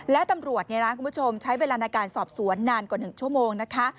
และตำรวจคุณผู้ชมใช้เวลาในการสอบสวนนานกว่า๑ชั่วโมงนะคะ